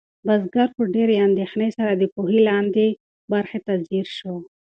بزګر په ډېرې اندېښنې سره د کوهي لاندې برخې ته ځیر شو.